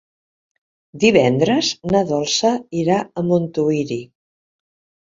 Divendres na Dolça irà a Montuïri.